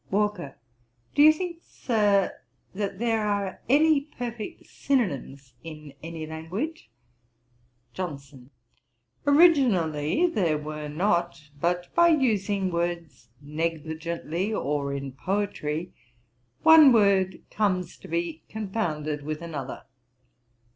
WALKER. 'Do you think, Sir, that there are any perfect synonimes in any language?' JOHNSON. 'Originally there were not; but by using words negligently, or in poetry, one word comes to be confounded with another.'